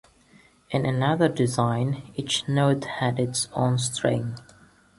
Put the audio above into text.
In another design, each note had its own string.